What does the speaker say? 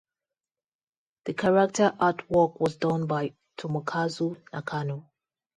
The character artwork was done by Tomokazu Nakano.